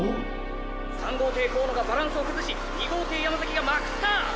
３号艇河野がバランスを崩し２号艇山崎がまくった！